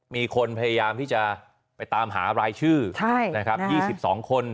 มีคนพยายามที่จะไปตามหารายชื่อใช่นะครับยี่สิบสองคน